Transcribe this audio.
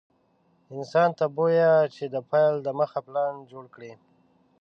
انسان ته بويه چې د پيل دمخه پلان جوړ کړي.